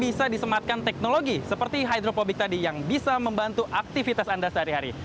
bisa disematkan teknologi seperti hydropobic tadi yang bisa membantu aktivitas anda sehari hari